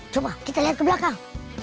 coba kita lihat ke belakang